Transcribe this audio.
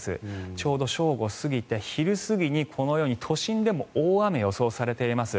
ちょうど正午すぎて昼過ぎにこのように都心でも大雨、予想されています。